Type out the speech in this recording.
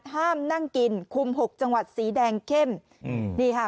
ห้ามนั่งกินคุมหกจังหวัดสีแดงเข้มอืมนี่ค่ะ